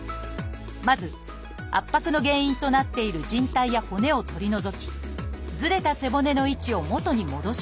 まず圧迫の原因となっているじん帯や骨を取り除きずれた背骨の位置を元に戻します。